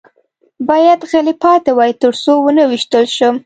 چې باید غلی پاتې وای، تر څو و نه وېشتل شم.